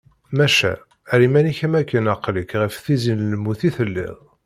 Maca, err iman-ik am akken aqli-k ɣef tizi lmut i telliḍ.